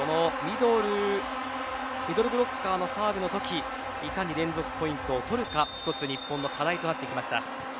ミドルブロッカーのサーブのときいかに連続ポイントを取るか１つ日本の課題となってきました。